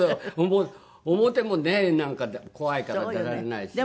もう表もねなんか怖いから出られないし。